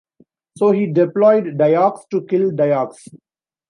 So he deployed Dayaks to kill Dayaks.